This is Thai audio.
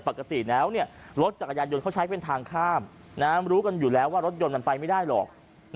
ปกติแล้วรถจักรยานยนต์เขาใช้เป็นทางข้ามรู้กันอยู่แล้วว่ารถยนต์มันไปไม่ได้หรอก